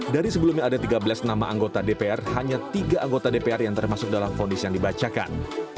dari sebelumnya ada tiga belas nama anggota dpr hanya tiga anggota dpr yang termasuk dalam fonis yang dibacakan